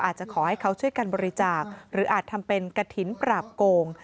ช่วยกันบริจาคหรืออาจทำเป็นกะถิ่นปราบโกง